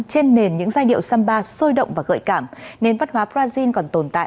trên nền những giai điệu samba sôi động và gợi cảm nền văn hóa brazil còn tồn tại